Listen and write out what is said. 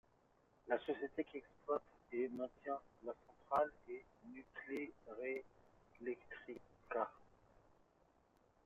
La société qui exploite et maintient la centrale est Nuclearelectrica.